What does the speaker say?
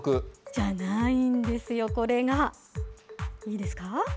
じゃないんですよ、これが、いいですか。